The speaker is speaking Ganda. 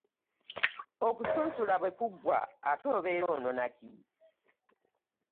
Okusunsula bwe kuggwa atw obeera onona ki?